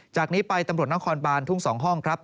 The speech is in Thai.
จากนี้ไปตำรวจนครบานทุ่ง๒ห้องครับ